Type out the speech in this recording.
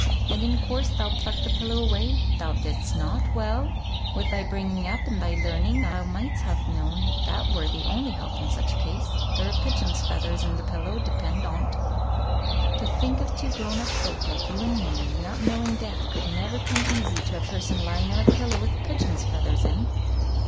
"And in course thou plucked the pillow away? Thou didst not! Well! with thy bringing up, and thy learning, thou might'st have known that were the only help in such a case. There were pigeons' feathers in the pillow, depend on't. To think of two grown up folk like you and Mary, not knowing death could never come easy to a person lying on a pillow with pigeons' feathers in!"